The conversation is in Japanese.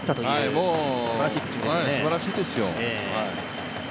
もう、すばらしいですよ。